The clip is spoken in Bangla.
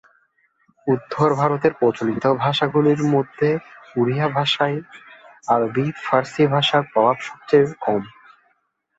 উত্তর ভারতে প্রচলিত ভাষাগুলির মধ্যে ওড়িয়া ভাষাতেই আরবি-ফার্সি ভাষার প্রভাব সবচেয়ে কম।